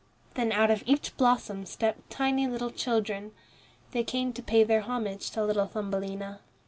Then out of each blossom stepped tiny little children. They came to pay their homage to little Thumbelina.